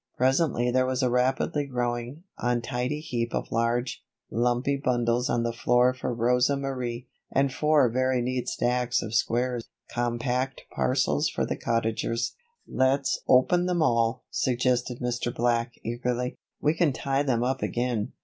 Presently there was a rapidly growing, untidy heap of large, lumpy bundles on the floor for Rosa Marie, and four very neat stacks of square, compact parcels for the Cottagers. "Let's open them all," suggested Mr. Black, eagerly. "We can tie them up again."